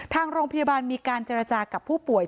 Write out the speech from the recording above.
ทางโรงพยาบาลมีการเจรจากับผู้ป่วย